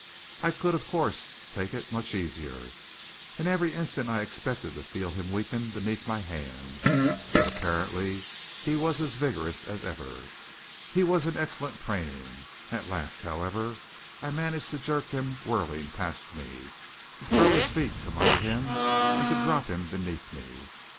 I could, of course, take it much easier, and every instant I expected to feel him weaken beneath my hands; but apparently he was as vigorous as ever. He was in excellent training. At last, however, I managed to jerk him whirling past me, to throw his feet from under him, and to drop him beneath me.